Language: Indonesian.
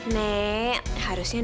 nek harusnya nih